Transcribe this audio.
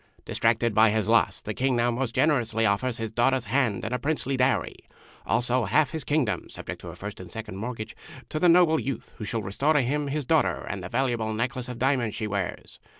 Distracted by his loss, the King now most generously offers his daughter's hand and a princely dowry, also half his Kingdom (subject to a first and second mortgage), to the noble youth who shall restore to him his daughter and the valuable necklace of diamonds she wears.